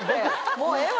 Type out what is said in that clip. もうええわ！